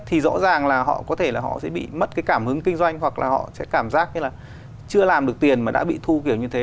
thì rõ ràng là họ có thể là họ sẽ bị mất cái cảm hứng kinh doanh hoặc là họ sẽ cảm giác như là chưa làm được tiền mà đã bị thu kiểu như thế